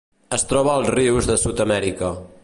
Es troba als rius de Sud-amèrica.